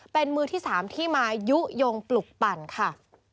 เป็นมือที่๓ที่มายุโยงปลุกปั่นค่ะ